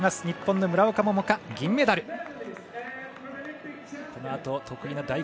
日本の村岡桃佳、銀メダル。